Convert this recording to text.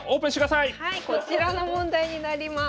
こちらの問題になります。